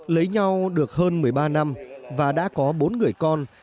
lấy nhau được hơn một mươi ba năm và đã có bốn người con